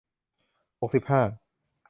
หกสิบห้า